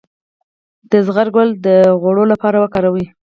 د زغر ګل د غوړ لپاره وکاروئ